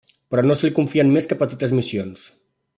Però no se li confien més que petites missions.